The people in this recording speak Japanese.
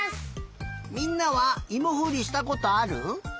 みんなはいもほりしたことある？